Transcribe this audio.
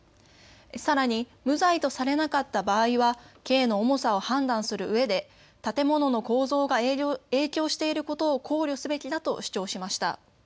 さらに無罪とされなかった場合は刑の重さを判断するうえで建物の構造が影響していることを考慮すべきだと主張しました。